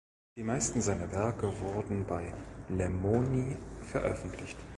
Die meisten seiner Werke wurden bei "Lemoine" veröffentlicht.